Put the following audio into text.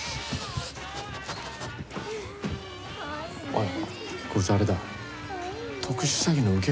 おい。